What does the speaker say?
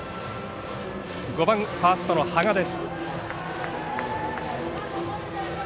５番、ファーストの垪和です。